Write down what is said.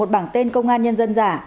một bảng tên công an nhân dân giả